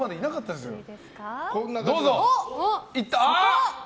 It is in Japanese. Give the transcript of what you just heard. いった！